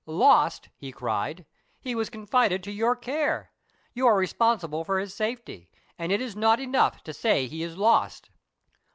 "Lost!" he cried. "He was confided to your care. You are responsible for his safety, and it is not. enough to say he is lost."